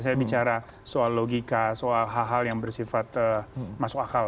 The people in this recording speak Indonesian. saya bicara soal logika soal hal hal yang bersifat masuk akal